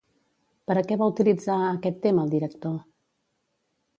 Per a què va utilitzar aquest tema el director?